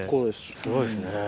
すごいですね。